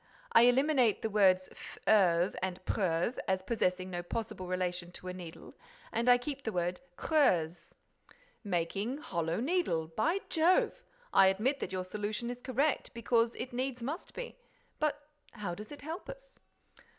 I eliminate the words fleuve and preuve, as possessing no possible relation to a needle, and I keep the word creuse." "Making 'hollow needle'! By jove! I admit that your solution is correct, because it needs must be; but how does it help us?"